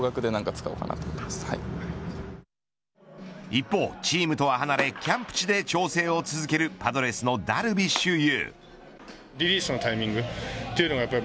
一方、チームとは離れキャンプ地で調整を続けるパドレスのダルビッシュ有。